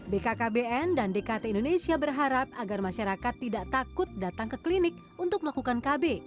bkkbn dan dkt indonesia berharap agar masyarakat tidak takut datang ke klinik untuk melakukan kb